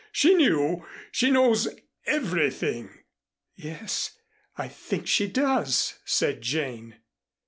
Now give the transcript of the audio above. She knew. She knows everything." "Yes, I think she does," said Jane.